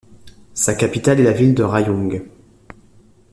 Sa capitale est la ville de Rayong.